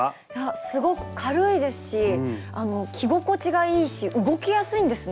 すごく軽いですし着心地がいいし動きやすいんですね。